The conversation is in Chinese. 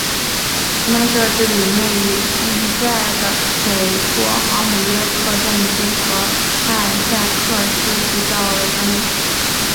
它们的设计理念跟同代的美国航母约克镇级和艾塞克斯级较为相近。